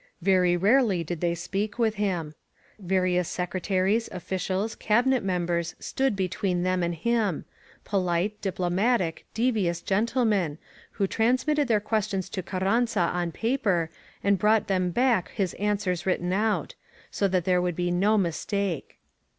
Very rarely did they speak with him. Various secretaries, officials. Cabinet members, stood between them and him — ^polite, diplomatic, devious gen %66 CARRANZA— AN IMPRESSION tlemen, who transmitted their questions to Carranza on paper and brought them back his answers written outj' so that there would be no mistake.